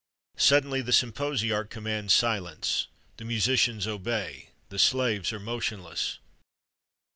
Suddenly the symposiarch commands silence: the musicians obey the slaves are motionless.